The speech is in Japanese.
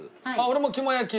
俺も肝焼き。